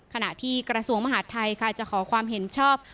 ขณะที่กระทรวงมหาดไทยค่ะจะขอความเห็นชอบ